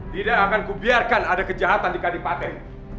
tidak akan kubiarkan ada kejahatan di kadipaten